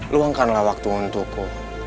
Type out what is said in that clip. luangkanlah waktu untukku